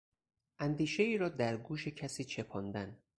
اندیشهای را در گوش کسی چپاندن